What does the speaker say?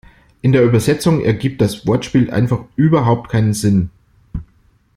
In der Übersetzung ergibt das Wortspiel einfach überhaupt keinen Sinn.